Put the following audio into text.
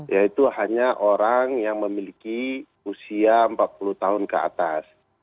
yaitu hanya orang yang memiliki usia empat puluh tahun ke atas